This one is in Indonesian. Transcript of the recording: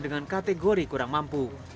dengan kategori kurang mampu